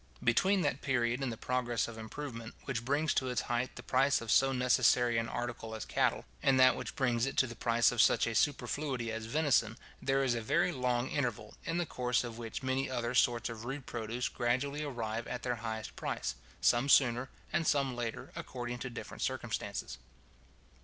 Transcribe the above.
Between that period in the progress of improvement, which brings to its height the price of so necessary an article as cattle, and that which brings to it the price of such a superfluity as venison, there is a very long interval, in the course of which many other sorts of rude produce gradually arrive at their highest price, some sooner and some later, according to different circumstances.